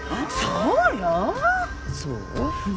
そうよ。